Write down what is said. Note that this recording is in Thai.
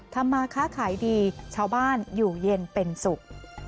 ทำมาค้าขายดีชาวบ้านอยู่เย็นเป็นสุข